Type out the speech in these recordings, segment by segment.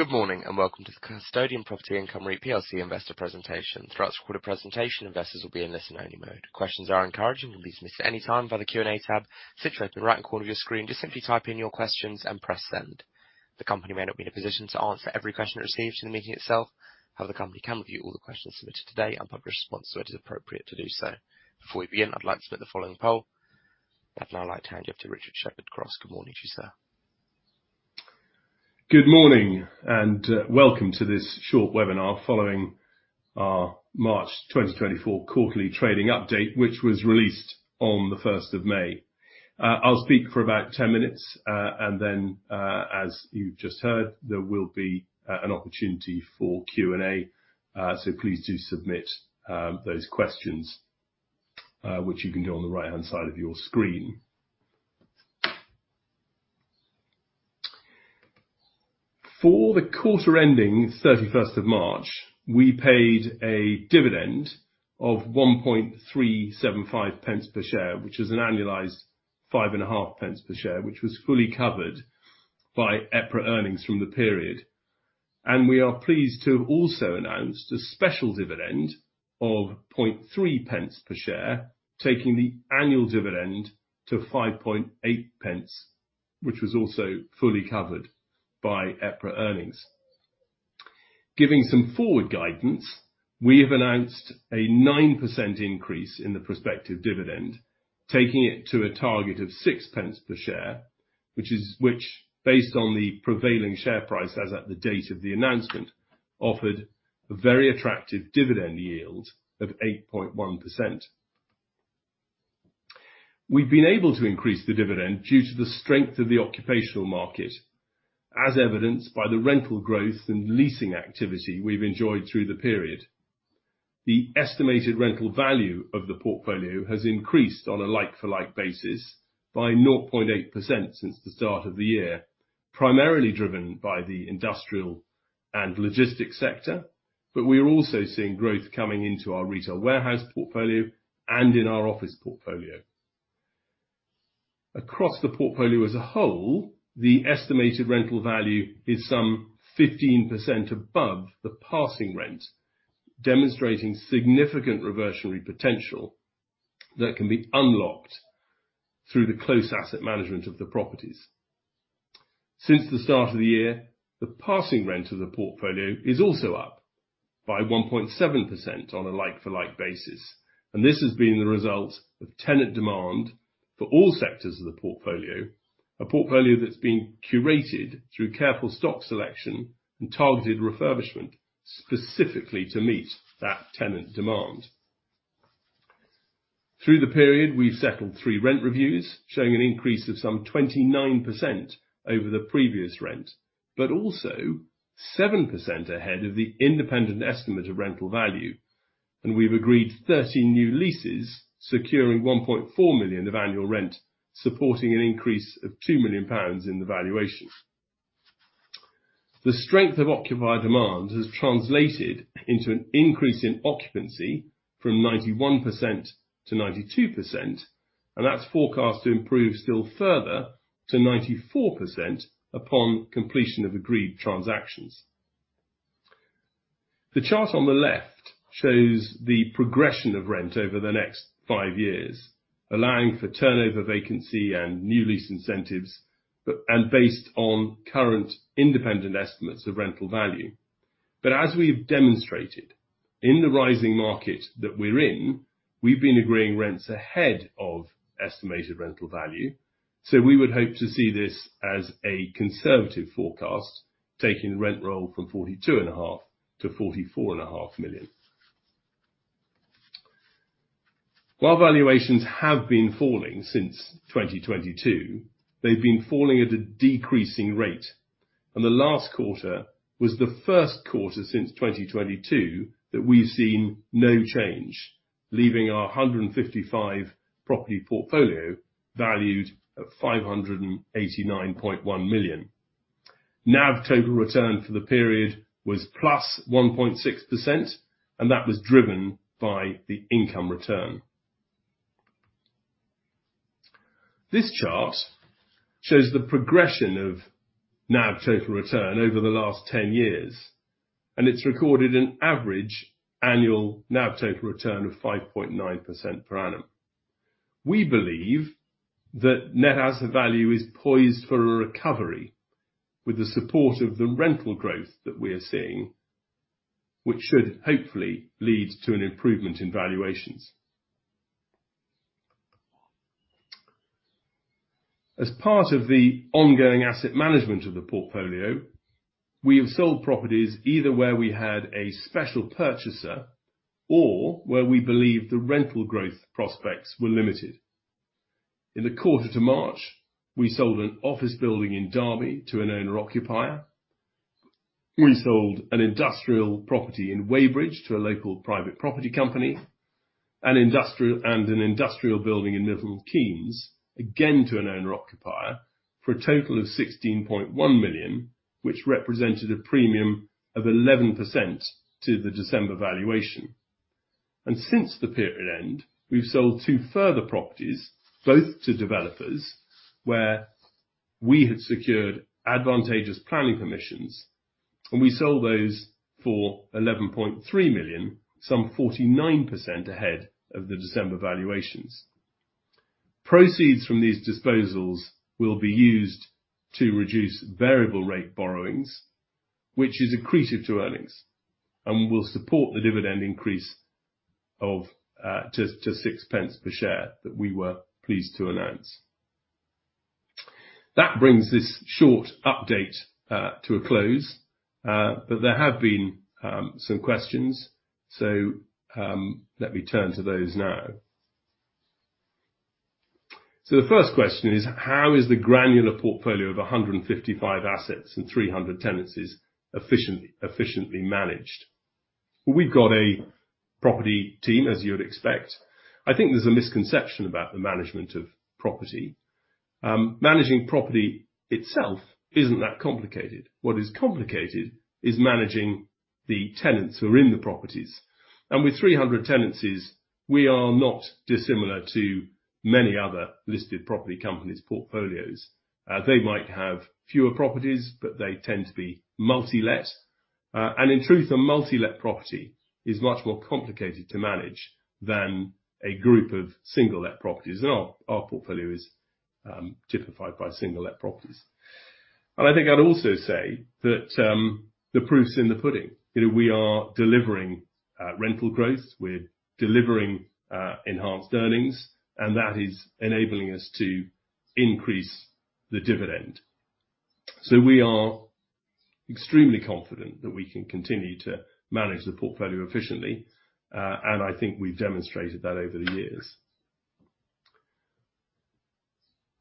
Good morning and welcome to the Custodian Property Income REIT plc investor presentation. Throughout this recorded presentation, investors will be in listen-only mode. Questions are encouraged and can be submitted at any time via the Q&A tab. Situated in the right-hand corner of your screen, just simply type in your questions and press send. The company may not be in a position to answer every question it received in the meeting itself. However, the company can review all the questions submitted today and publish responses where it is appropriate to do so. Before we begin, I'd like to submit the following poll. I'd now like to hand you over to Richard Shepherd-Cross. Good morning to you, sir. Good morning and welcome to this short webinar following our March 2024 quarterly trading update, which was released on the 1st of May. I'll speak for about 10 minutes, and then, as you've just heard, there will be an opportunity for Q&A. So please do submit those questions, which you can do on the right-hand side of your screen. For the quarter ending 31st of March, we paid a dividend of 0.01375 per share, which is an annualized 0.055 per share, which was fully covered by EPRA Earnings from the period. We are pleased to have also announced a special dividend of 0.003 per share, taking the annual dividend to 0.058, which was also fully covered by EPRA Earnings. Giving some forward guidance, we have announced a 9% increase in the prospective dividend, taking it to a target of 0.06 per share, which is, based on the prevailing share price as at the date of the announcement, offered a very attractive dividend yield of 8.1%. We've been able to increase the dividend due to the strength of the occupational market, as evidenced by the rental growth and leasing activity we've enjoyed through the period. The estimated rental value of the portfolio has increased on a like-for-like basis by 0.8% since the start of the year, primarily driven by the industrial and logistics sector. But we are also seeing growth coming into our retail warehouse portfolio and in our office portfolio. Across the portfolio as a whole, the estimated rental value is some 15% above the passing rent, demonstrating significant reversionary potential that can be unlocked through the close asset management of the properties. Since the start of the year, the passing rent of the portfolio is also up by 1.7% on a like-for-like basis. This has been the result of tenant demand for all sectors of the portfolio, a portfolio that's been curated through careful stock selection and targeted refurbishment specifically to meet that tenant demand. Through the period, we've settled three rent reviews, showing an increase of some 29% over the previous rent, but also 7% ahead of the independent estimate of rental value. We've agreed 30 new leases, securing 1.4 million of annual rent, supporting an increase of 2 million pounds in the valuation. The strength of occupied demand has translated into an increase in occupancy from 91%-92%, and that's forecast to improve still further to 94% upon completion of agreed transactions. The chart on the left shows the progression of rent over the next five years, allowing for turnover vacancy and new lease incentives, but and based on current independent estimates of rental value. But as we've demonstrated, in the rising market that we're in, we've been agreeing rents ahead of estimated rental value. So we would hope to see this as a conservative forecast, taking the rent roll from 42.5 million-44.5 million. While valuations have been falling since 2022, they've been falling at a decreasing rate. The last quarter was the first quarter since 2022 that we've seen no change, leaving our 155 property portfolio valued at 589.1 million. NAV Total Return for the period was +1.6%, and that was driven by the income return. This chart shows the progression of NAV Total Return over the last 10 years, and it's recorded an average annual NAV Total Return of 5.9% per annum. We believe that net asset value is poised for a recovery with the support of the rental growth that we are seeing, which should hopefully lead to an improvement in valuations. As part of the ongoing asset management of the portfolio, we have sold properties either where we had a special purchaser or where we believe the rental growth prospects were limited. In the quarter to March, we sold an office building in Derby to an owner-occupier. We sold an industrial property in Weybridge to a local private property company, and an industrial building in Milton Keynes, again to an owner-occupier, for a total of 16.1 million, which represented a premium of 11% to the December valuation. Since the period end, we've sold two further properties, both to developers, where we had secured advantageous planning permissions, and we sold those for 11.3 million, some 49% ahead of the December valuations. Proceeds from these disposals will be used to reduce variable rate borrowings, which is accretive to earnings, and will support the dividend increase to 0.06 per share that we were pleased to announce. That brings this short update to a close, but there have been some questions, so let me turn to those now. The first question is, how is the granular portfolio of 155 assets and 300 tenancies efficiently managed? Well, we've got a property team, as you would expect. I think there's a misconception about the management of property. Managing property itself isn't that complicated. What is complicated is managing the tenants who are in the properties. With 300 tenancies, we are not dissimilar to many other listed property companies' portfolios. They might have fewer properties, but they tend to be multi-let. In truth, a multi-let property is much more complicated to manage than a group of single-let properties. Our portfolio is typified by single-let properties. I think I'd also say that the proof's in the pudding. You know, we are delivering rental growth. We're delivering enhanced earnings, and that is enabling us to increase the dividend. We are extremely confident that we can continue to manage the portfolio efficiently, and I think we've demonstrated that over the years.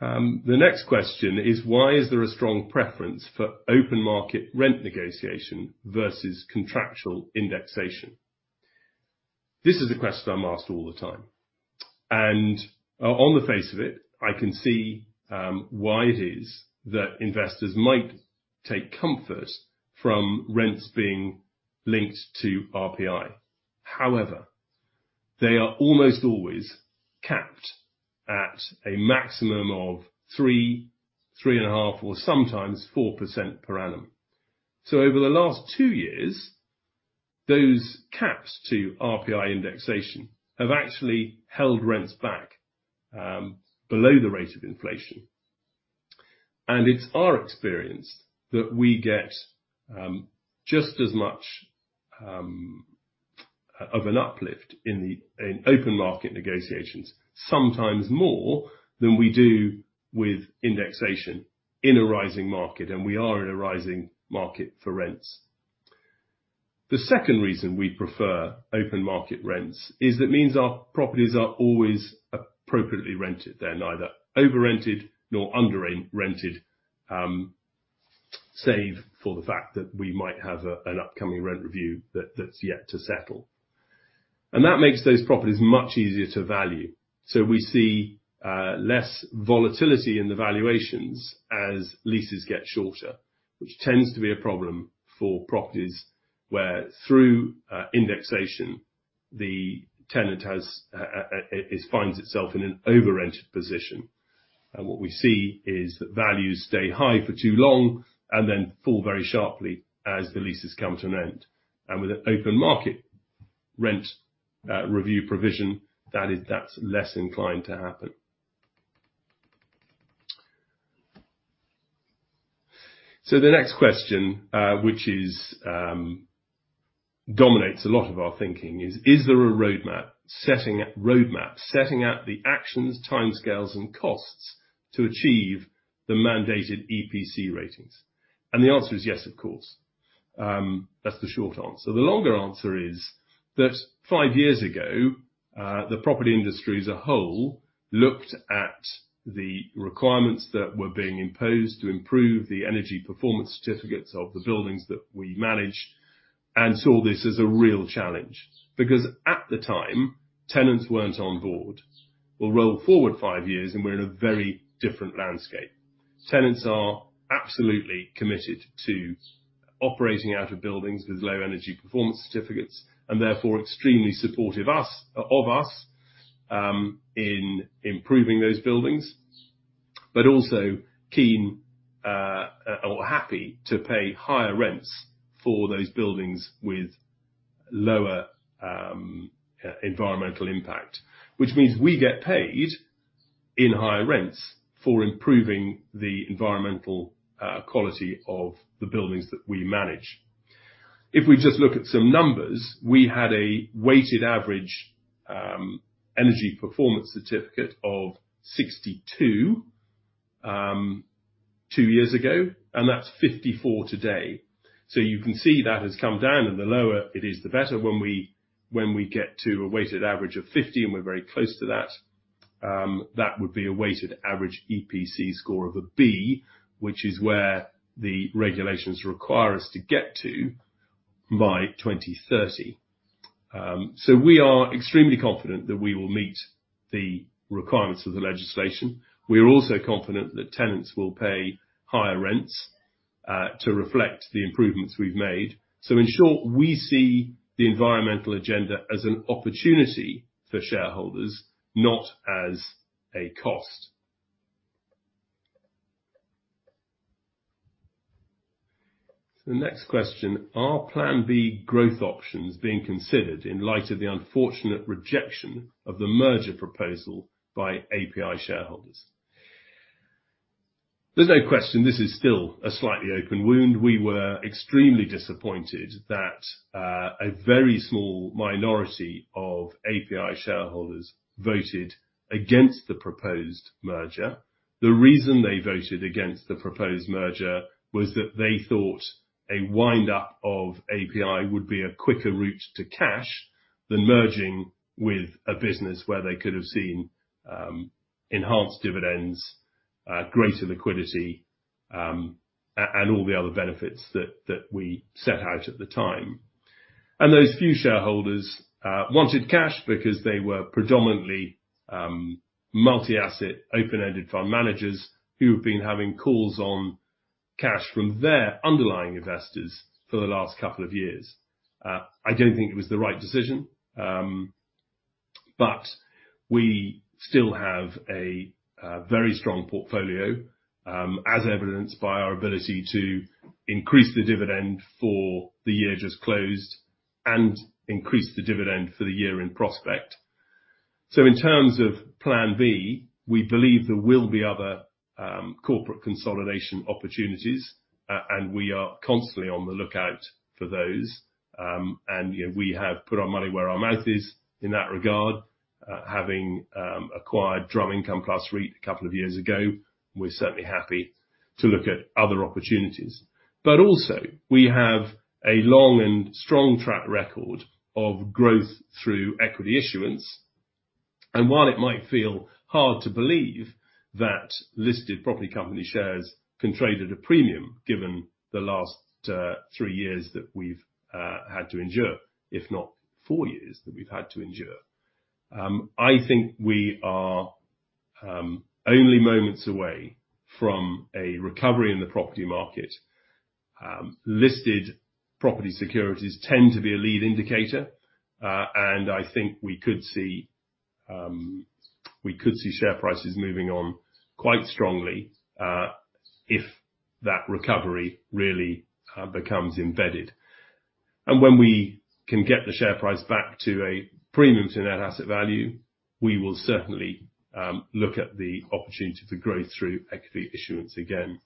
The next question is, why is there a strong preference for open market rent negotiation versus contractual indexation? This is a question I'm asked all the time. On the face of it, I can see why it is that investors might take comfort from rents being linked to RPI. However, they are almost always capped at a maximum of 3%, 3.5%, or sometimes 4% per annum. Over the last two years, those caps to RPI indexation have actually held rents back below the rate of inflation. It's our experience that we get just as much of an uplift in open market negotiations, sometimes more than we do with indexation in a rising market, and we are in a rising market for rents. The second reason we prefer open market rents is that means our properties are always appropriately rented. They're neither over-rented nor under-rented, save for the fact that we might have an upcoming rent review that's yet to settle. That makes those properties much easier to value. We see less volatility in the valuations as leases get shorter, which tends to be a problem for properties where, through indexation, the tenant finds itself in an over-rented position. What we see is that values stay high for too long and then fall very sharply as the leases come to an end. With an open market rent review provision, that's less inclined to happen. The next question, which dominates a lot of our thinking, is there a roadmap setting out the actions, timescales, and costs to achieve the mandated EPC ratings? The answer is yes, of course. That's the short answer. The longer answer is that five years ago, the property industry as a whole looked at the requirements that were being imposed to improve the Energy Performance Certificates of the buildings that we manage and saw this as a real challenge. Because at the time, tenants weren't on board. We'll roll forward five years, and we're in a very different landscape. Tenants are absolutely committed to operating out of buildings with low Energy Performance Certificates and therefore extremely supportive of us in improving those buildings, but also keen or happy to pay higher rents for those buildings with lower environmental impact, which means we get paid in higher rents for improving the environmental quality of the buildings that we manage. If we just look at some numbers, we had a weighted average Energy Performance Certificate of 62, two years ago, and that's 54 today. So you can see that has come down, and the lower it is, the better. When we get to a weighted average of 50, and we're very close to that, that would be a weighted average EPC score of a B, which is where the regulations require us to get to by 2030. So we are extremely confident that we will meet the requirements of the legislation. We are also confident that tenants will pay higher rents to reflect the improvements we've made. So in short, we see the environmental agenda as an opportunity for shareholders, not as a cost. So the next question, are Plan B growth options being considered in light of the unfortunate rejection of the merger proposal by API shareholders? There's no question. This is still a slightly open wound. We were extremely disappointed that a very small minority of API shareholders voted against the proposed merger. The reason they voted against the proposed merger was that they thought a windup of API would be a quicker route to cash than merging with a business where they could have seen enhanced dividends, greater liquidity, and all the other benefits that we set out at the time. And those few shareholders wanted cash because they were predominantly multi-asset open-ended fund managers who have been having calls on cash from their underlying investors for the last couple of years. I don't think it was the right decision, but we still have a very strong portfolio, as evidenced by our ability to increase the dividend for the year just closed and increase the dividend for the year in prospect. In terms of Plan B, we believe there will be other corporate consolidation opportunities, and we are constantly on the lookout for those. We have put our money where our mouth is in that regard, having acquired Drum Income Plus REIT a couple of years ago. We're certainly happy to look at other opportunities. Also, we have a long and strong track record of growth through equity issuance. While it might feel hard to believe that listed property company shares can trade at a premium given the last three years that we've had to endure, if not four years that we've had to endure, I think we are only moments away from a recovery in the property market. Listed property securities tend to be a lead indicator, and I think we could see share prices moving on quite strongly if that recovery really becomes embedded. When we can get the share price back to a premium to net asset value, we will certainly look at the opportunity for growth through equity issuance again.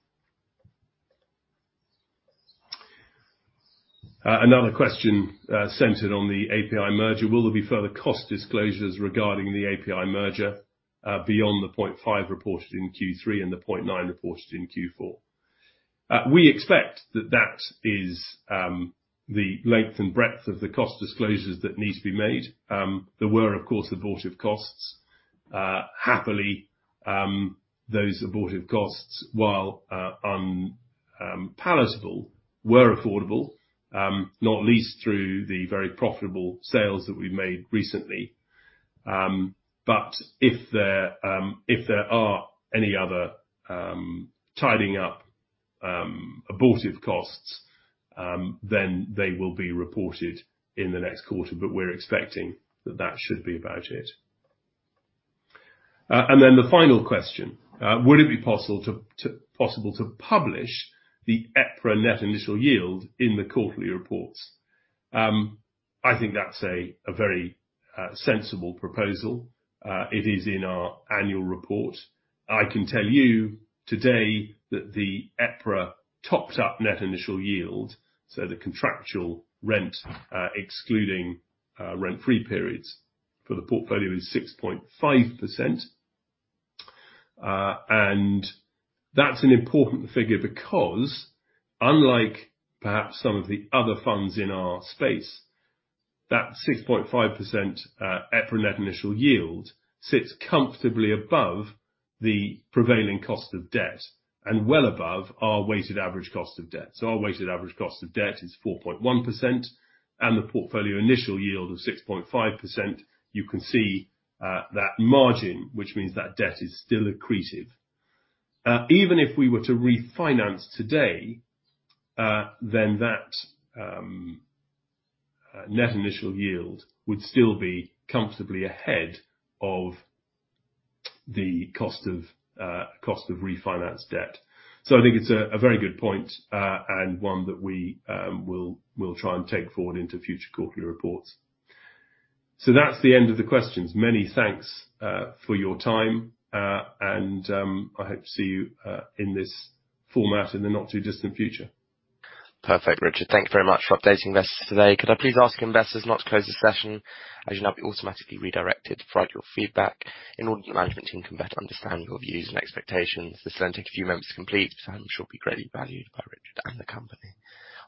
Another question centered on the API merger, will there be further cost disclosures regarding the API merger beyond the 0.5 million reported in Q3 and the 0.9 million reported in Q4? We expect that that is the length and breadth of the cost disclosures that need to be made. There were, of course, abortive costs. Happily, those abortive costs, while unpalatable, were affordable, not least through the very profitable sales that we've made recently. But if there are any other tidying up abortive costs, then they will be reported in the next quarter, but we're expecting that that should be about it. Then the final question, would it be possible to publish the EPRA Net Initial Yield in the quarterly reports? I think that's a very sensible proposal. It is in our annual report. I can tell you today that the EPRA Topped-up Net Initial Yield, so the contractual rent excluding rent-free periods for the portfolio, is 6.5%. That's an important figure because, unlike perhaps some of the other funds in our space, that 6.5% EPRA Net Initial Yield sits comfortably above the prevailing cost of debt and well above our weighted average cost of debt. Our weighted average cost of debt is 4.1%, and the portfolio initial yield of 6.5%, you can see that margin, which means that debt is still accretive. Even if we were to refinance today, then that net initial yield would still be comfortably ahead of the cost of refinanced debt. I think it's a very good point and one that we will try and take forward into future quarterly reports. That's the end of the questions. Many thanks for your time, and I hope to see you in this format in the not too distant future. Perfect, Richard. Thank you very much for updating investors today. Could I please ask investors not to close the session? As you know, I'll be automatically redirected to provide your feedback in order that the management team can better understand your views and expectations. This will then take a few minutes to complete, but I'm sure it'll be greatly valued by Richard and the company.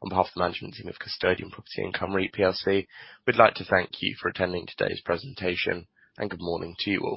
On behalf of the management team of Custodian Property Income REIT plc, we'd like to thank you for attending today's presentation, and good morning to you all.